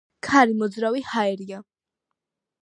ქარი მოძრავი ჰაერია.